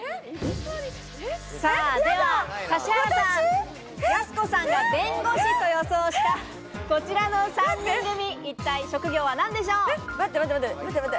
では指原さん、やす子さんが弁護士と予想したこちらの３人組、一体、職業は何でしょう？